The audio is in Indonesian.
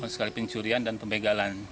sekali pencurian dan pembegalan